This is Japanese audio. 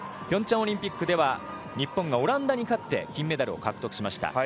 ピョンチャンオリンピックでは日本がオランダに勝って金メダルを獲得しました。